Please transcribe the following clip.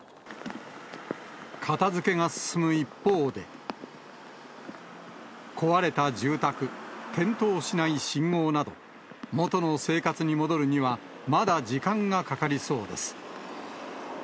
片づけが進む一方で、壊れた住宅、点灯しない信号など、元の生活に戻るには、まだ時間がかかりそうです。